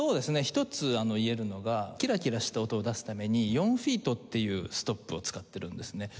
一つ言えるのがキラキラした音を出すために４フィートっていうストップを使ってるんですね。